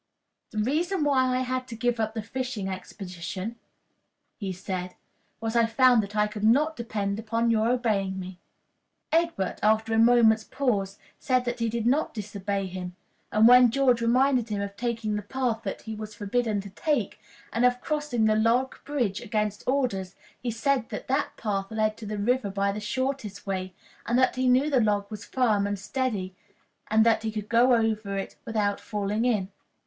"The reason why I had to give up the fishing expedition," he said, "was, I found that I could not depend upon your obeying me." Egbert, after a moment's pause, said that he did not disobey him; and when George reminded him of his taking the path that he was forbidden to take, and of his crossing the log bridge against orders, he said that that path led to the river by the shortest way, and that he knew that the log was firm and steady, and that he could go over it without falling in.